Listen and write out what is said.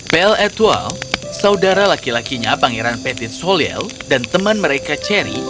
belle et al saudara laki lakinya pangeran petit soliel dan teman mereka cherry